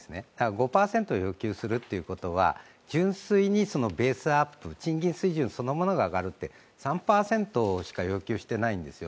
５％要求するということは、純粋にベースアップ賃金水準そのものが上がるって３％しか要求していないんですよ。